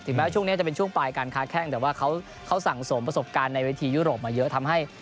ถึงแม้ว่าช่วงนี้จะเป็นช่วงปลายการคาแข้งแต่ว่าเขาสังสมประสบการณ์ในวิธียุโรปมาเยอะ